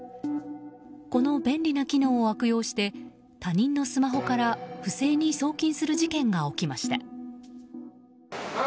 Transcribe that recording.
この便利な機能を悪用して他人のスマホから不正に送金する事件が起きました。